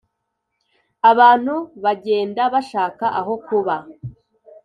Abantu bagenda bashaka ahokuba.